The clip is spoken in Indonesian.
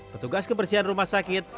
petugas kebersihan rumah sakit